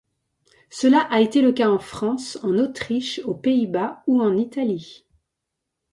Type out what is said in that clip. Cela a été le cas en France, en Autriche, aux Pays-Bas ou en Italie.